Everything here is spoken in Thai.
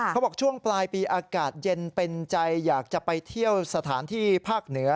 ช่วงปลายปีอากาศเย็นเป็นใจอยากจะไปเที่ยวสถานที่ภาคเหนือ